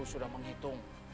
kau sudah menghitung